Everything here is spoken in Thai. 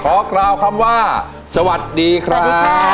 กล่าวคำว่าสวัสดีครับ